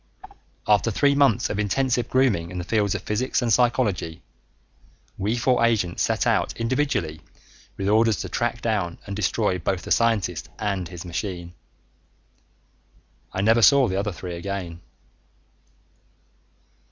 After three months of intensive grooming in the fields of physics and psychology, we four agents set out individually with orders to track down and destroy both the scientist and his machine. I never saw the other three again....